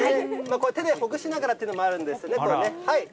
手でほぐしながらというのもあるんですね。